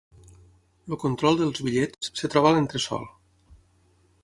El control dels bitllets es troba al entresòl.